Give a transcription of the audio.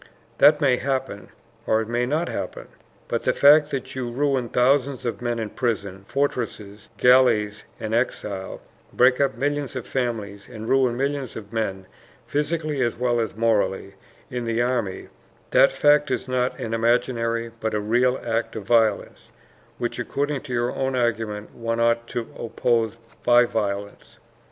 That may happen or it may not happen. But the fact that you ruin thousands of men in prisons, fortresses, galleys, and exile, break up millions of families and ruin millions of men, physically as well as morally, in the army, that fact is not an imaginary but a real act of violence, which, according to your own argument, one ought to oppose by violence.